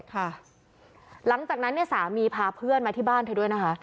หลังจากนั้นเนี่ยสามีพาเพื่อนมาที่บ้านเธอด้วยนะคะ